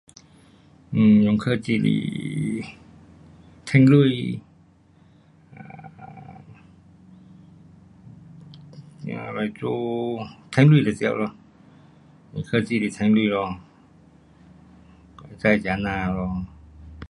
um 用科技来赚钱，um 来做，赚钱就对了，用科技来赚钱咯，应该是这样的咯。